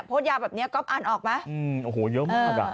โพสต์ยาวแบบนี้ก๊อปอ่านออกไหมโอ้โหเยอะมาก